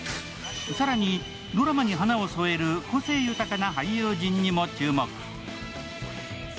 更に、ドラマに花を添える個性豊かな俳優陣にも注目。